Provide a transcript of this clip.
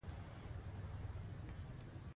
هغه په پاتې پیسو نور اومه توکي پېري